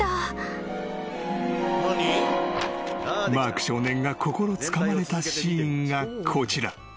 ［マーク少年が心つかまれたシーンがこちら］